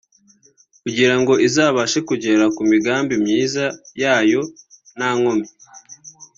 kugirango izashobore kugera ku migambi myiza yayo nta nkomyi